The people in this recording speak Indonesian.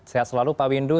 sehat selalu pak windu